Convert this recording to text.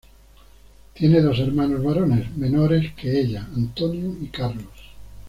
Tiene dos hermanos varones menores que ella, Antonio y Carlos.